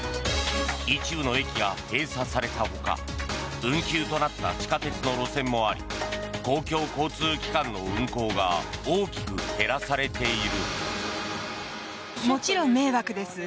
一部の駅が閉鎖されたほか運休となった地下鉄の路線もあり公共交通機関の運行が大きく減らされている。